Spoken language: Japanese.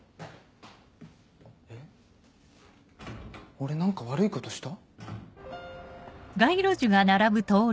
俺何か悪いことした？